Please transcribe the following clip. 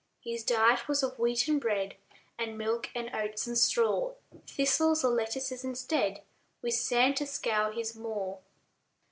His diet was of wheaten bread, And milk, and oats, and straw; Thistles, or lettuces instead, With sand to scour his maw.